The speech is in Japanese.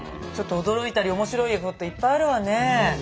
ちょっと驚いたり面白いこといっぱいあるわね。